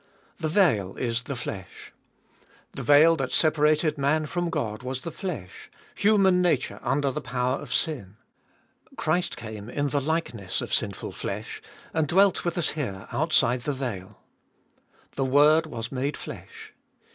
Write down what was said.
The veil is the flesh. The veil that separated man from God was the flesh, human nature under the power of sin. Christ came in the likeness of sinful flesh, and dwelt with us here outside the veil. The Word was made flesh.